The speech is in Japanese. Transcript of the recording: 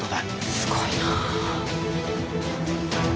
すごいなぁ。